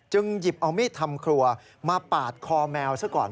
หยิบเอามีดทำครัวมาปาดคอแมวซะก่อน